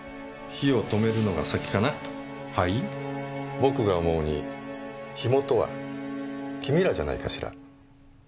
僕が思うに火元は君らじゃないかしら？